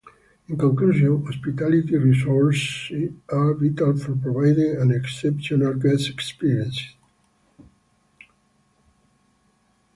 In conclusion, hospitality resources are vital for providing an exceptional guest experience.